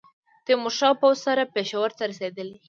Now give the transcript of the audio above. تېمورشاه پوځ سره پېښور ته رسېدلی.